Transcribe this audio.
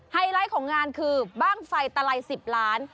ไลท์ของงานคือบ้างไฟตะไล๑๐ล้าน